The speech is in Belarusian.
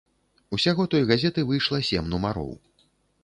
Усяго той газеты выйшла сем нумароў.